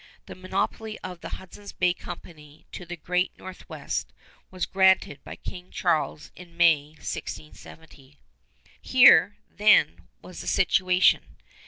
The monopoly of the Hudson's Bay Company to the Great Northwest was granted by King Charles in May, 1670. Here, then, was the situation.